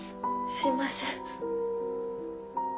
すいません。